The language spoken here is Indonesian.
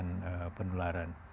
untuk menghentikan penularan